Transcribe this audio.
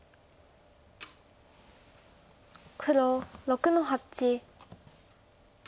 黒６の八。